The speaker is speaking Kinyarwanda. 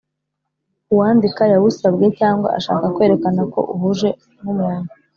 uwandika yawusabwe cyangwa ashaka kwerekana ko uhuje n’umuntu